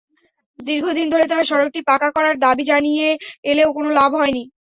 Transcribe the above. দীর্ঘদিন ধরে তাঁরা সড়কটি পাকা করার দাবি জানিয়ে এলেও কোনো লাভ হয়নি।